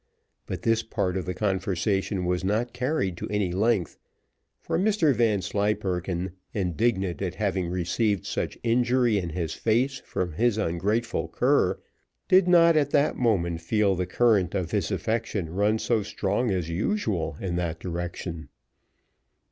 But this part of the conversation was not carried to any length: for Mr Vanslyperken, indignant at having received such injury in his face from his ungrateful cur, did not, at that moment, feel the current of his affection run so strong as usual in that direction.